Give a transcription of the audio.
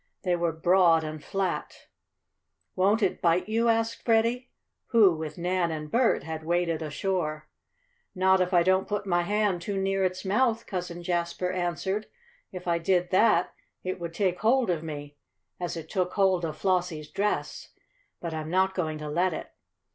They were broad and flat. "Won't it bite you?" asked Freddie, who, with Nan and Bert, had waded ashore. "Not if I don't put my hand too near its mouth," Cousin Jasper answered. "If I did that it would take hold of me, as it took hold of Flossie's dress. But I'm not going to let it.